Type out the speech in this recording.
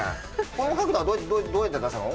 この角度はどうやって出したの？